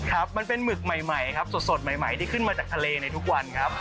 ครับมันเป็นหมึกใหม่ครับสดใหม่ที่ขึ้นมาจากทะเลในทุกวันครับ